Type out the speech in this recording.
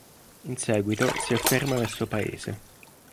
In seguito si afferma nel suo paese.